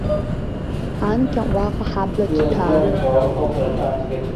Анкьа уаҟа ҳабла ҭҭәаан.